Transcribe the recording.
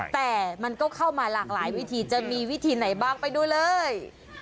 แต่มันก็เข้ามาหลากหลายวิธีจะมีวิธีไหนบ้างไปดูเลย